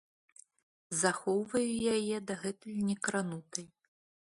Захоўваю яе дагэтуль некранутай.